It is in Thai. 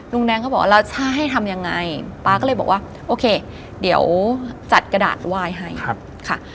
แดงเขาบอกว่าแล้วถ้าให้ทำยังไงป๊าก็เลยบอกว่าโอเคเดี๋ยวจัดกระดาษไหว้ให้ค่ะ